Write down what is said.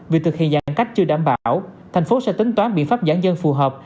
việc thực hiện giãn cách chưa đảm bảo thành phố sẽ tính toán biện pháp giãn dân phù hợp